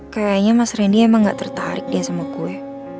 kayaknya mas randy emang gak tertarik dia sama gue